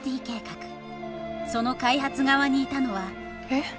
その開発側にいたのはえ？